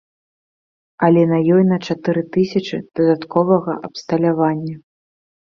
Але на ёй на чатыры тысячы дадатковага абсталявання.